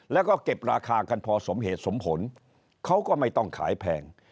แล้วก็เก็บราคากันพอสมเหตุสมผลเขาก็ไม่ต้องขายแพง